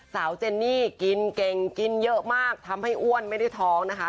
เจนนี่กินเก่งกินเยอะมากทำให้อ้วนไม่ได้ท้องนะคะ